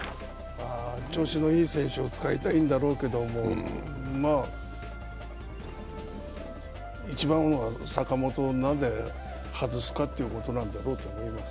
調子のいい選手を使いたいんだろうけど一番は坂本を、何で外すのかということなんだろうと思います。